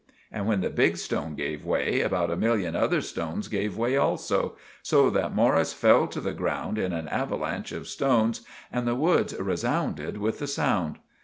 And when the big stone gave way, about a million other stones gave way also, so that Morris fell to the ground in an avvalanch of stones and the woods resounded with the sound.